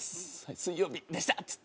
「『水曜日』でした」っつって。